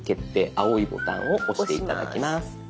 青いボタンを押して頂きます。